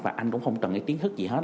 và anh cũng không cần cái kiến thức gì hết